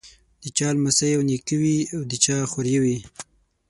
د چا لمسی او نیکه وي او د چا خوريی وي.